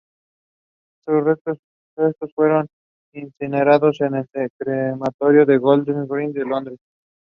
The complete schedule of operations of the convoy was included in the intelligence report.